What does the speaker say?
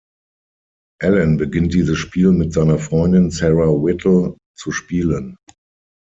Alan beginnt dieses Spiel mit seiner Freundin Sarah Whittle zu spielen.